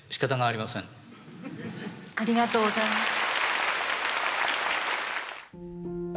ありがとうございます。